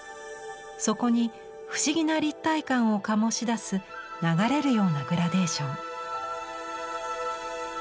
そこに不思議な立体感を醸し出す流れるようなグラデーション。